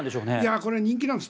これ、人気なんです。